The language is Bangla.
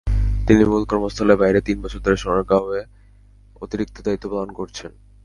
তিনি মূল কর্মস্থলের বাইরে তিন বছর ধরে সোনারগাঁয়ে অতিরিক্ত দায়িত্ব পালন করছেন।